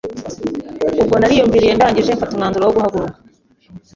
Ubwo nariyumviriye ndangije mfata umwanzuro wo guhaguruka